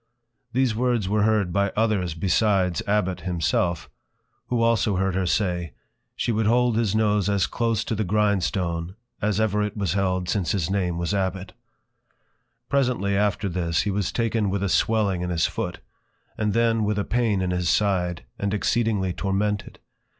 _ These Words were heard by others besides Abbot himself; who also heard her say, She would hold his Nose as close to the Grindstone as ever it was held since his Name was +Abbot+. Presently after this, he was taken with a Swelling in his Foot, and then with a Pain in his Side, and exceedingly tormented.